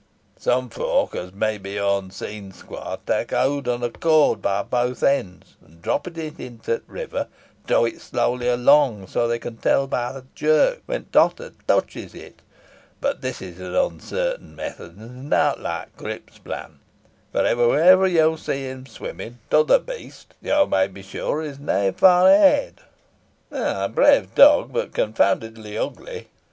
Some folk, os maybe yo ha' seen, squoire, tak howd on a cord by both eends, an droppin it into t' river, draw it slowly along, so that they can tell by th' jerk when th' otter touches it; boh this is an onsartin method, an is nowt like Grip's plan, for wherever yo see him swimmin, t'other beast yo may be sure is nah far ahead." "A brave dog, but confoundedly ugly!"